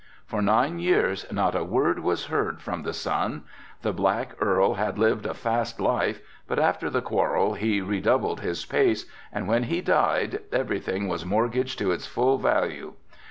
For nine years not a word was heard from the son. The Black Earl had lived a fast life, but after the quarrel he redoubled his pace and when he died everything was mortgaged to its full value.